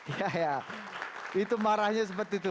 ya itu marahnya seperti itu